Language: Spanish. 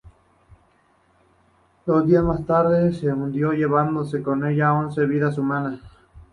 Dos días más tarde se hundió llevándose con ella once vidas humanas.